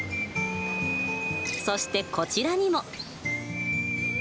そしてこちらにも。